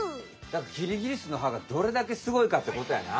キリギリスのはがどれだけすごいかってことやな。